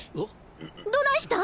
どないしたん？